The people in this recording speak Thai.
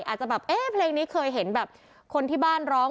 อาจจะแบบเอ๊ะเพลงนี้เคยเห็นแบบคนที่บ้านร้อง